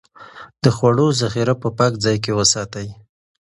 د خوړو ذخيره په پاک ځای کې وساتئ.